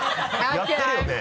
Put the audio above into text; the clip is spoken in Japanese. やってるよね？